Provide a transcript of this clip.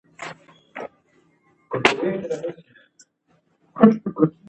اورېدل د بارېدلو په مانا ده.